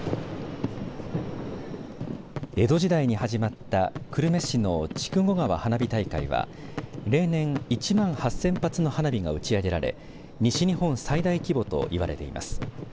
江戸時代に始まった久留米市の筑後川花火大会は例年１万８０００発の花火が打ち上げられ西日本最大規模といわれています。